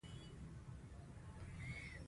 مېلمه ته د کورنۍ مهرباني ارزښت لري.